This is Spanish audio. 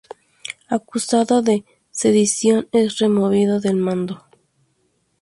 Acusado de sedición, es removido del mando.